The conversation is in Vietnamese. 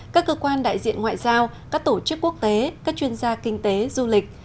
các cơ quan đại diện ngoại giao các tổ chức quốc tế các chuyên gia kinh tế du lịch